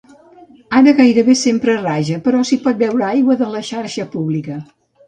Ara gairebé sempre raja, però s'hi pot beure aigua de la xarxa pública.